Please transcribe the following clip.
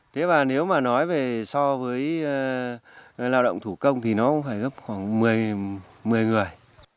thế và nếu mà nói về so với lao động thủ công thì nó cũng phải gấp khoảng một mươi người